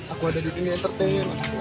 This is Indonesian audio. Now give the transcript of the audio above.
aku ada di tinggi entertain